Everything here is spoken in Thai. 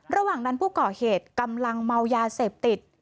ระหว่างนั้นผู้ก่อเหตุกำลังเมายาเสพติด